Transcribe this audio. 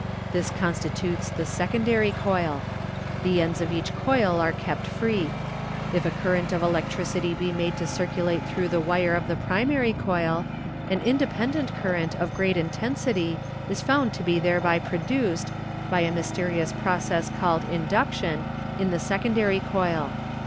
This constitutes the " secondary " coil. The ends of each coil are kept free. If a current of electricity be made to circulate through the wire of the primary coil, an independent current of great intensity is found to be thereby produced, by a mysterious process called induction, in the secondary coil.